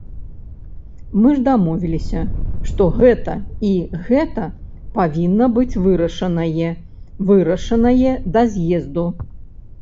Мы ж дамовіліся, што гэта і гэта павінна быць вырашанае, вырашанае да з'езду.